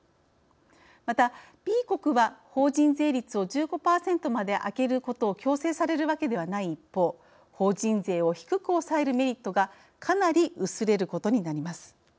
またＢ国は、法人税率を１５％まで上げることを強制されるわけではない一方法人税を低く抑えるメリットがかなり薄れることになります。